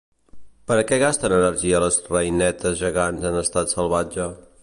Per a què gasten energia les reinetes gegants en estat salvatge?